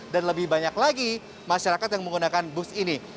dan lebih banyak lagi masyarakat yang menggunakan bus ini